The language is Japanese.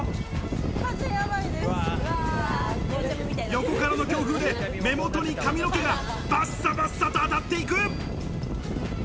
横からの強風で目元に髪の毛がバッサバッサと当たっていく。